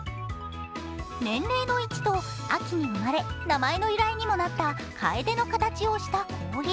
年齢の１と秋に生まれ、名前の由来にもなった楓の形をした氷。